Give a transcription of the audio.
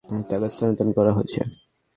টাকা স্থানান্তর করা হয়েছে।